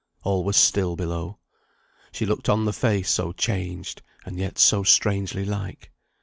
All was still below. She looked on the face so changed, and yet so strangely like.